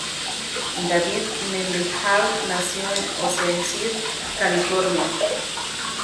David Mendenhall nació en Oceanside, California.